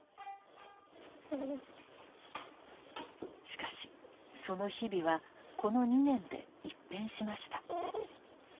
しかしその日々はこの２年で一変しました。